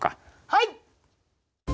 はい！